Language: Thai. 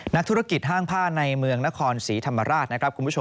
นักธุรกิจห้างผ้าในเมืองนครศรีธรรมราช